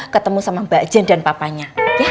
ketemu sama mbak jen dan papanya